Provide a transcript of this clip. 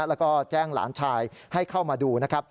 แล้วก็แจ้งหลานชายให้เข้ามาดูนะครับ